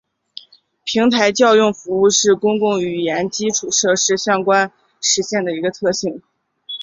平台叫用服务是公共语言基础设施相关实现的一个特性。